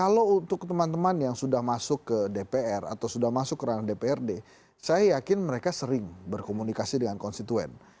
kalau untuk teman teman yang sudah masuk ke dpr atau sudah masuk ke ranah dprd saya yakin mereka sering berkomunikasi dengan konstituen